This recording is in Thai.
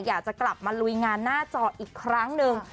อยากจะกลับมาลุยงานหน้าจออีกครั้งหนึ่ง